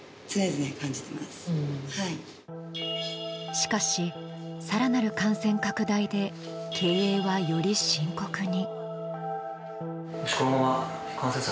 しかし、更なる感染拡大で経営はより深刻に。